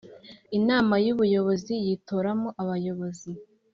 Inama y ubuyobozi yitoramo abayobozi